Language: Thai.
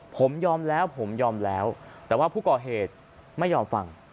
ผมยอมแล้วผมยอมแล้วแต่ว่าผู้ก่อเหตุไม่ยอมฟัง